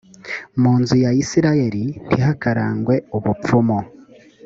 mu nzu ya israheli ntihakarangwe ubupfumu.